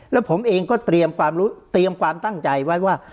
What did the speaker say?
แล้วผมเองก็เตรียมความรู้เตรียมความตั้งใจไว้ว่า